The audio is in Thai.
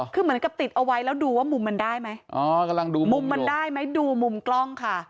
คือเหมือนกับติดเอาไว้แล้วดูว่ามุมมันได้ไหมอ๋อกำลังดูมุมมันได้ไหมดูมุมกล้องค่ะ